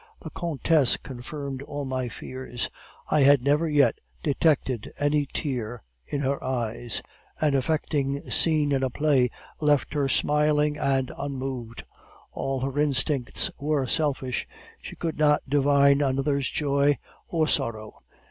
The countess confirmed all my fears; I had never yet detected any tear in her eyes; an affecting scene in a play left her smiling and unmoved. All her instincts were selfish; she could not divine another's joy or sorrow.